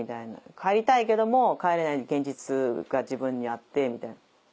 帰りたいけども帰れない現実が自分にあってみたいな。